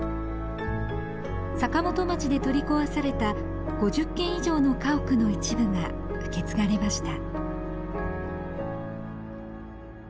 坂本町で取り壊された５０軒以上の家屋の一部が受け継がれました。